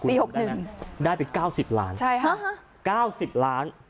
ปี๖๑ได้ไป๙๐ล้านใช่ฮะ๙๐ล้าน